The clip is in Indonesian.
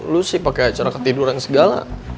lu sih pakai acara ketiduran segala